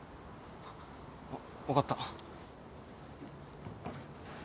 わっ分かった。